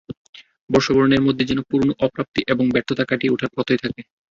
বর্ষবরণের মধ্যে যেন পুরোনো অপ্রাপ্তি এবং ব্যর্থতা কাটিয়ে ওঠার প্রত্যয় থাকে।